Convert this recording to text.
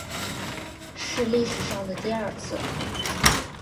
是历史上的第二次